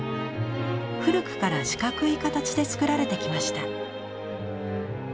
古くから四角い形で作られてきました。